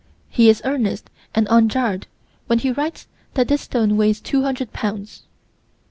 He is earnest and unjarred when he writes that this stone weighs 200 pounds.